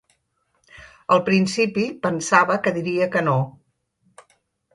Al principi pensava que diria que no.